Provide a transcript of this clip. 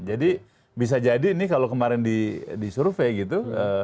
jadi bisa jadi nih kalau kemarin di survei gitu